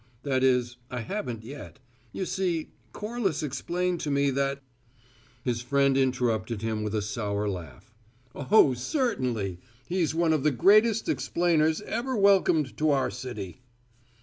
That is, I haven't yet. You see, Corliss explained to me that " His friend interrupted him with a sour laugh. "Oh, certainly! He's one of the greatest explainers ever welcomed to our city!"